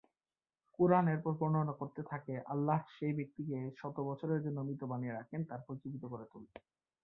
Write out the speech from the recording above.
কুরআন এরপর বর্ণনা করতে থাকে আল্লাহ সেই ব্যক্তিকে শত বছরের জন্য মৃত বানিয়ে রাখেন তারপর জীবিত করে তুলেন।